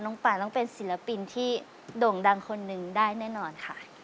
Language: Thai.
ป่าต้องเป็นศิลปินที่โด่งดังคนหนึ่งได้แน่นอนค่ะ